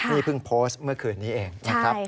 นี่เพิ่งโพสต์เมื่อคืนนี้เองนะครับ